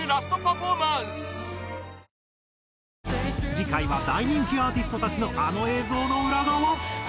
次回は大人気アーティストたちのあの映像の裏側。